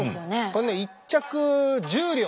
これね１着１０両。